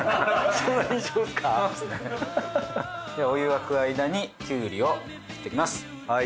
お湯沸く間にきゅうりを切っていきます。